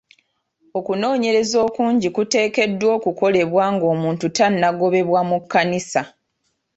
Okunoonyereza okungi kuteekeddwa okukolebwa nga omuntu tannagobebwa mu kkanisa.